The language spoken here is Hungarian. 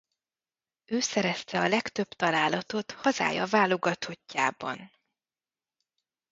Ő szerezte a legtöbb találatot hazája válogatottjában.